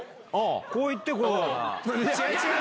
こう行ってこう。